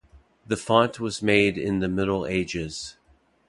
The font was made in the Middle Ages.